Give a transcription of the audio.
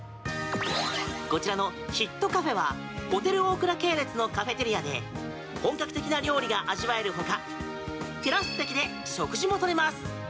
こちらのヒットカフェはホテルオークラ系列のカフェテリアで本格的な料理が味わえるほかテラス席で食事も取れます。